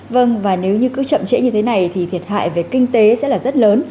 vâng và nếu như cứ chậm trễ như thế này thì thiệt hại về kinh tế sẽ là rất lớn